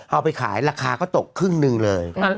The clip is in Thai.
เอาไปขายราคาก็ตกครึ่งหนึ่งเลย